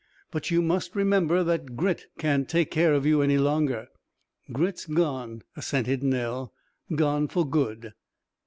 "But you must remember that Grit can't take care of you any longer." "Grit's gone," assented Nell; "gone for good."